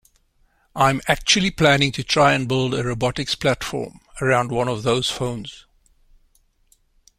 I'm actually planning to try and build a robotics platform around one of those phones.